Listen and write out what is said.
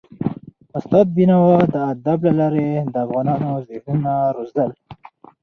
استاد بينوا د ادب له لارې د افغانونو ذهنونه روزل.